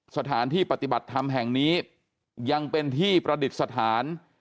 สถานที่ปฏิบัติธรรมแห่งนี้ยังเป็นที่ประดิษฐาน